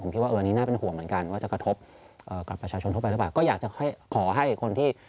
ก็อยากจะขอให้คนที่